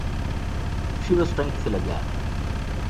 She was trying to fill a gap.